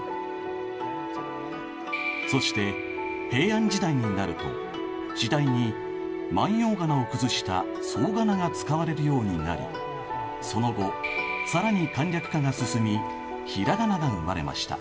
そして平安時代になると次第に万葉仮名を崩した草仮名が使われるようになりその後更に簡略化が進みひらがなが生まれました。